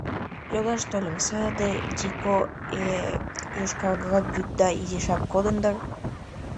Йодаш тольым: саде дико... э-э... йошкаргырак вӱдда изишак кодын дыр?